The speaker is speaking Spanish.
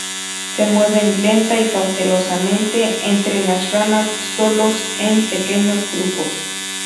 Se mueven lenta y cautelosamente entre las ramas, solos o en pequeños grupos.